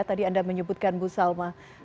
tadi anda menyebutkan bu salma